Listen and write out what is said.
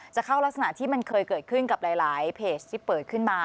จะเข้ารักษณะที่มันเคยเกิดขึ้นกับหลายเพจที่เปิดขึ้นมา